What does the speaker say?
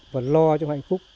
và lo cho hạnh phúc